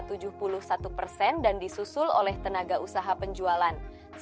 tenaga usaha penjualan yang disusul oleh tenaga usaha penjualan